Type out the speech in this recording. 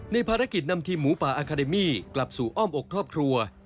ภารกิจนำทีมหมูป่าอาคาเดมี่กลับสู่อ้อมอกครอบครัว